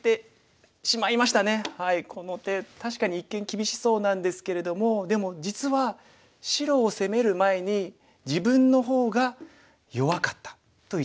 この手確かに一見厳しそうなんですけれどもでも実は白を攻める前に自分の方が弱かったという一着ですね。